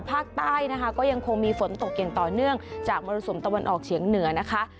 ภาคใต้นะคะก็ยังคงมีฝนตกอย่างต่อเนื่องจากมรสุมตะวันออกเฉียงเหนือนะคะ